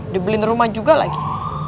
dibelin rumah juga lagi